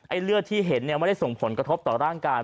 เลือดที่เห็นเนี่ยไม่ได้ส่งผลกระทบต่อร่างกาย